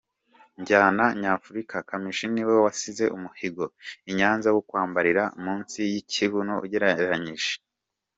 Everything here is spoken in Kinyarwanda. njyana nyafurika Kamichi niwe wasize umuhigo i Nyanza wo kwambarira munsi yikibuno ugereranije.